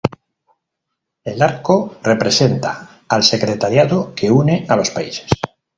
El arco representa al secretariado que une a los países.